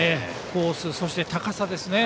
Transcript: コース、そして高さですね。